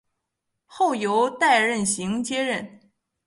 后由戴仁行接任。